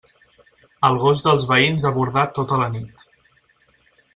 El gos dels veïns ha bordat tota la nit.